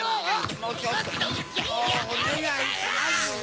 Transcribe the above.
もうちょっとおねがいしますよ。